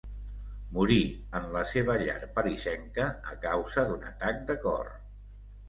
Morí en la seva llar parisenca a causa d'un atac de cor.